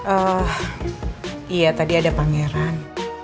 oh iya tadi ada pangeran